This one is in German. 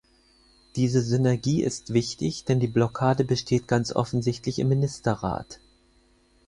Diese Synergie ist wichtig, denn die Blockade besteht ganz offensichtlich im Ministerrat.